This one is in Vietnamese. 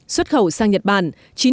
xuất khẩu sang nhật bản